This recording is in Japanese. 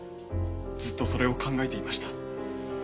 ずっとそれを考えていました。